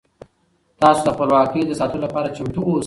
تاسو د خپلواکۍ د ساتلو لپاره چمتو اوسئ.